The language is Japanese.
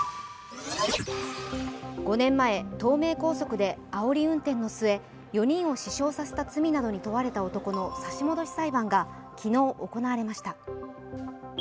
５年前、東名高速であおり運転の末４人を死傷させた罪などに問われた男の差し戻し裁判が昨日、行われました